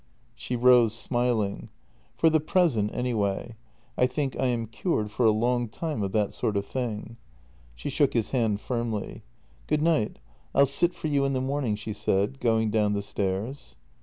" She rose, smiling: "For the present, anyway. I think I am cured for a long time of that sort of thing." She shook his hand firmly: " Good night; I'll sit for you in the morning," she said, going down the stairs.